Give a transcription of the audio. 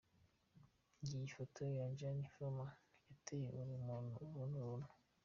Ngiyi Ifoto ya Jense Frumes yateye urunturuntu.